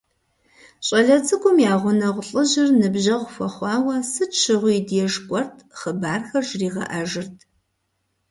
ЩӀалэ цӀыкӀум я гъунэгъу лӀыжьыр ныбжьэгъу хуэхъуауэ, сыт щыгъуи и деж кӀуэрт, хъыбархэр жригъэӀэжырт.